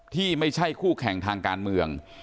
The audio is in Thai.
ที่ไม่ใช่คู่แข่งทางการเมือง